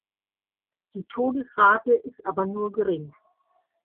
Die Todesrate ist aber nur gering.